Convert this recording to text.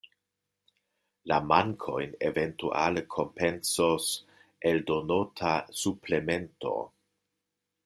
La mankojn eventuale kompensos eldonota suplemento.